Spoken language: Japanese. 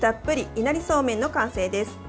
いなりそうめんの完成です。